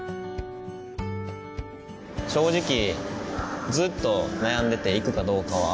正直ずっと悩んでいて行くかどうかは。